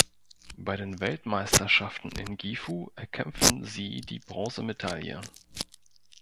Bei den Weltmeisterschaften in Gifu erkämpfen sie die Bronzemedaille.